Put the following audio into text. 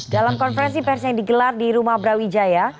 dalam konferensi pers yang digelar di rumah brawijaya